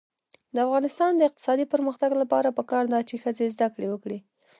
د افغانستان د اقتصادي پرمختګ لپاره پکار ده چې ښځې زده کړې وکړي.